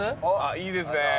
いいですね。